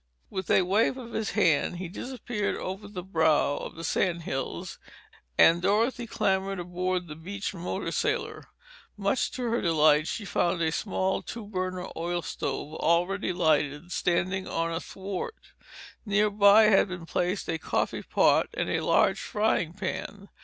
With a wave of his hand he disappeared over the brow of the sand hills, and Dorothy clambered aboard the beached motor sailor. Much to her delight she found a small two burner oil stove, already lighted, standing on a thwart. Nearby had been placed a coffee pot and a large frying pan.